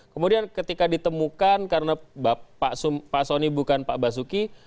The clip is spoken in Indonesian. kemudian ketika ditemukan karena pak soni bukan pak basuki